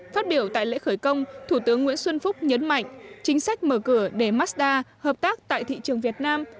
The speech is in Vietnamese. phát biểu tại lễ khởi công thủ tướng nguyễn xuân phúc nhấn mạnh chính sách mở cửa để mazda hợp tác tại thị trường việt nam